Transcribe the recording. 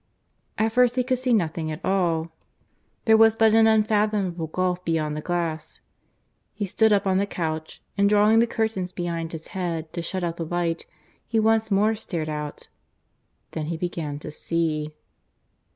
At first he could see nothing at all. There was but an unfathomable gulf beyond the glass. He stood up on the couch, and drawing the curtains behind his head to shut out the light, he once more stared out. Then he began to see.